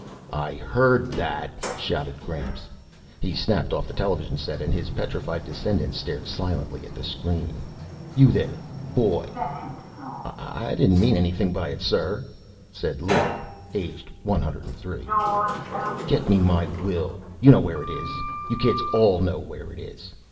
"I heard that!" shouted Gramps. He snapped off the television set and his petrified descendants stared silently at the screen. "You, there, boy " "I didn't mean anything by it, sir," said Lou, aged 103. "Get me my will. You know where it is. You kids all know where it is.